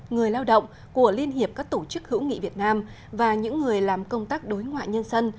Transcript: người lao động của liên hiệp các tổ chức hữu nghị việt nam và những người làm công tác đối ngoại nhân dân